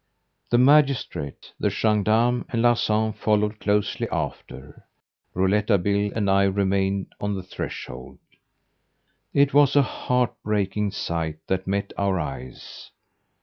The magistrate, the gendarme, and Larsan followed closely after. Rouletabille and I remained on the threshold. It was a heart breaking sight that met our eyes.